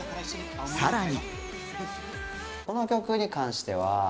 さらに。